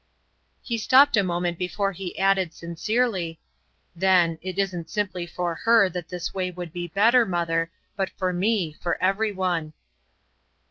He stopped a moment before he added, sincerely: "Then it isn't simply for her that this way would be better, mother, but for me, for every one."